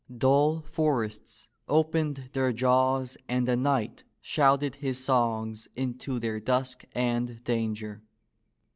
Dull forests opened their jaws and the knight shouted his songs into their dusk and danger.